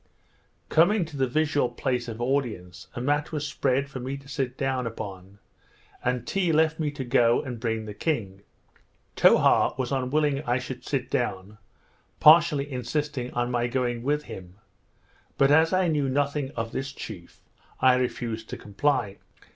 Coming to the visual place of audience, a mat was spread for me to sit down upon, and Tee left me to go and bring the king. Towha was unwilling I should sit down, partly insisting on my going with him; but, as I knew nothing of this chief, I refused to comply.